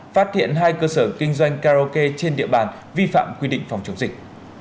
phát hiện hai cơ sở kinh doanh karaoke trên địa bàn vi phạm quy định phòng chống dịch